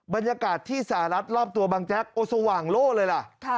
บรรยากาศที่สหรัฐรอบตัวบางแจ๊กโอ้สว่างโล่เลยล่ะ